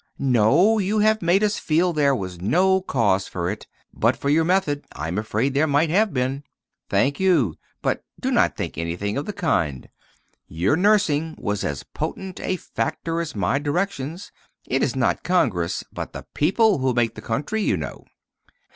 "No; you have made us feel there was no cause for it. But for your method I am afraid there might have been." "Thank you; but do not think anything of the kind. Your nursing was as potent a factor as my directions. It is not Congress, but the people, who make the country, you know."